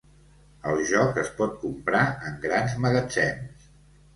El joc es pot comprar en grans magatzems.